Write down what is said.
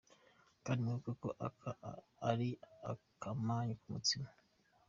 Kandi mwibuke ko aka ari akamanyu k’umutsima.